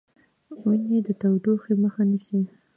ونې د تودوخې مخه نیسي.